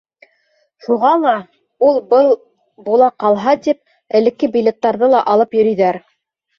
Шуға ла, ул-был була ҡалһа тип, элекке билеттарҙы ла алып йөрөйҙәр.